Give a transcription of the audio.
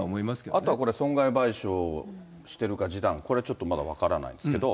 あとはこれ、損害賠償してるか、示談、これはちょっとまだ分からないですけど。